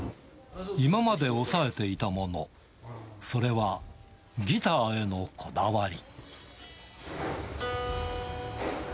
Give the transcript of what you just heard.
今まで抑えていたもの、それはギターへのこだわり。